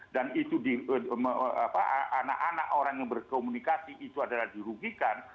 dan itu di apa anak anak orang yang berkomunikasi itu adalah dirugikan